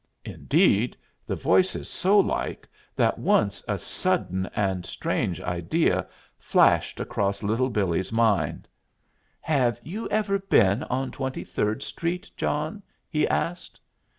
Indeed, the voice is so like that once a sudden and strange idea flashed across Little Billee's mind. "Have you ever been on Twenty Third Street, John?" he asked.